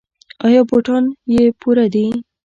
ایا بوټان یې پوره دي؟